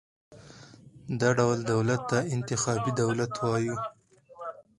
دا ډول دولت ته انتخابي دولت وایو.